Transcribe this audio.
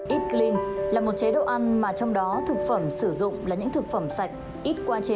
ít glun là một chế độ ăn mà trong đó thực phẩm sử dụng là những thực phẩm sạch ít qua chế